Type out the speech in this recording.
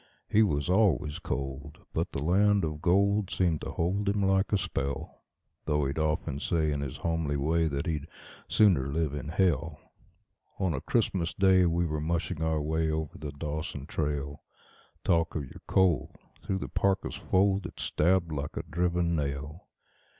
He was always cold, but the land of gold seemed to hold him like a spell; Though he'd often say in his homely way that he'd "sooner live in hell". On a Christmas Day we were mushing our way over the Dawson trail. Talk of your cold! through the parka's fold it stabbed like a driven nail.